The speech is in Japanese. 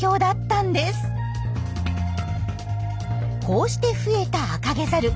こうして増えたアカゲザル。